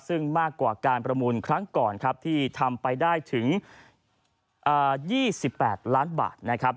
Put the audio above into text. ซึ่งมากกว่าการประมูลครั้งก่อนครับที่ทำไปได้ถึง๒๘ล้านบาทนะครับ